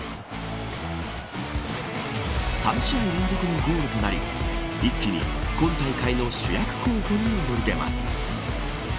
３試合連続のゴールとなり一気に今大会の主役候補に躍り出ます。